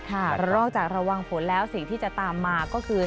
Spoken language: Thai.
นอกจากระวังฝนแล้วสิ่งที่จะตามมาก็คือ